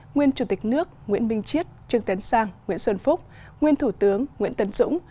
nguyên chủ tịch nước nguyễn minh chiết trương tấn sang nguyễn xuân phúc nguyên thủ tướng nguyễn tấn dũng